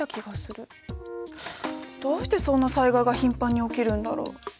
どうしてそんな災害が頻繁に起きるんだろう。